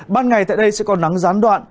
ban ngày tại đây sẽ có nắng gián đoạn